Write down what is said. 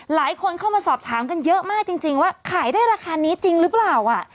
หลายคนเข้ามาสอบถามกันเยอะมากจริงว่าขายได้ราคานี้จริงหรือเปล่า